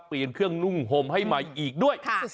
เครื่องนุ่งห่มให้ใหม่อีกด้วย